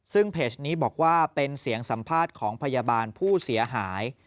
ซึ่งเพจนี้บอกว่าเป็นเสียงสัมภาษณ์ของพยาบาลผู้เสียหาย